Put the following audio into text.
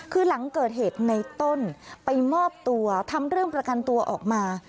คือหลังเกิดเหตุในต้นไปมอบตัวทำเรื่องประกันตัวออกมา